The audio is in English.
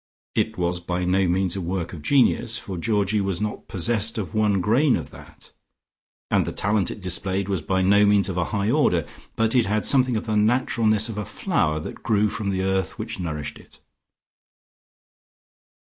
It was by no means a work of genius, for Georgie was not possessed of one grain of that, and the talent it displayed was by no means of a high order, but it had something of the naturalness of a flower that grew from the earth which nourished it.